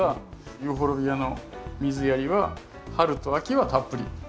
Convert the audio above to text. ユーフォルビアの水やりは春と秋はたっぷり。